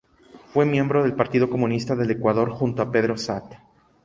Fue miembro del Partido Comunista del Ecuador junto a Pedro Saad.